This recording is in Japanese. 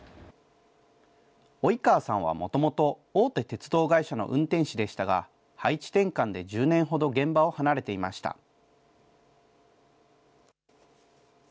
及川さんはもともと大手鉄道会社の運転士でしたが、配置転換で１０年ほど現場を離れていました。